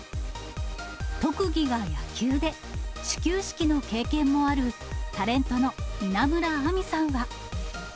特技が野球で、始球式の経験もある、タレントの稲村亜美さんは。